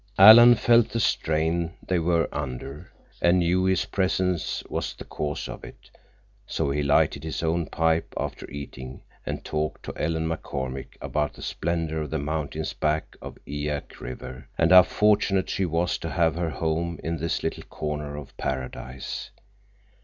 Alan felt the strain they were under and knew his presence was the cause of it, so he lighted his own pipe after eating and talked to Ellen McCormick about the splendor of the mountains back of Eyak River, and how fortunate she was to have her home in this little corner of paradise.